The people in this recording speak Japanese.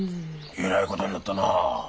えらいことになったな。